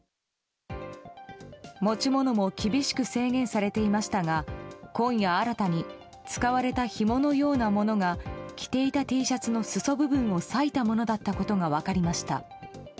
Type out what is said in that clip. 持ち物も厳しく制限されていましたが今夜新たに使われたひものようなものが着ていたＴシャツの裾部分を裂いたものだったことが分かりました。